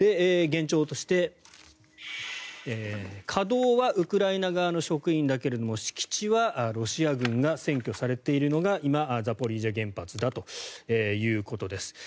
現状として、稼働はウクライナ側の職員だけれども敷地はロシア軍が占拠されているのが今、ザポリージャ原発だということです。